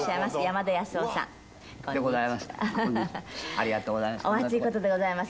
ありがとうございます。